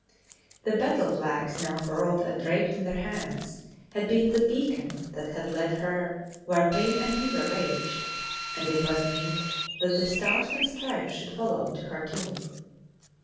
The battle flags now furled and draped in their hands had been the beacon that had led her where pain and fever raged, and it was meet that the Stars and Stripes should follow to her tomb.